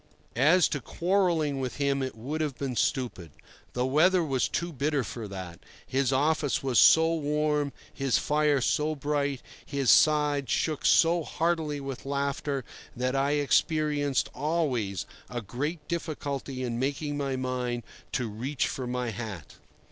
As to quarrelling with him, it would have been stupid. The weather was too bitter for that. His office was so warm, his fire so bright, his sides shook so heartily with laughter, that I experienced always a great difficulty in making up my mind to reach for my hat.